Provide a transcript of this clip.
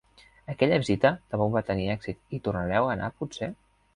Aquella visita tampoc va tenir èxit, hi tornareu a anar potser?